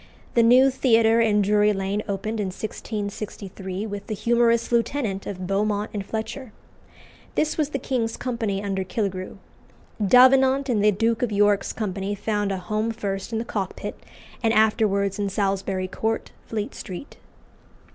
The new Theatre in Drury Lane opened in 1663 with the "Humorous Lieutenant" of Beaumont and Fletcher. This was the King's Company under Killigrew. Davenant and the Duke of York's company found a home first in the Cockpit, and afterwards in Salisbury Court, Fleet Street.